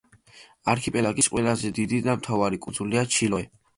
არქიპელაგის ყველაზე დიდი და მთავარი კუნძულია ჩილოე.